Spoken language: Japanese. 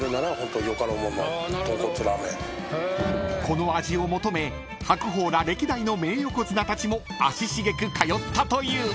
［この味を求め白鵬ら歴代の名横綱たちも足しげく通ったという］